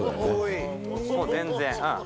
もう全然。